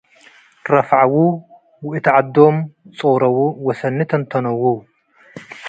ረፍዐዉ ወእት ዐዶ'ም ጾረዉ ወሰኒ ተንተነዉ'።